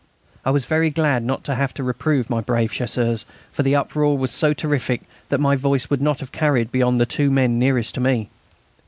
I was very glad not to have to reprove my brave Chasseurs, for the uproar was so terrific that my voice would not have carried beyond the two men nearest to me.